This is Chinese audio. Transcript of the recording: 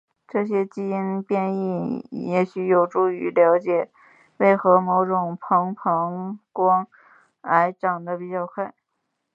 这些因基的变异也许有助于了解为何某些膀膀胱癌长得比较快。